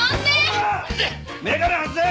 眼鏡外せ！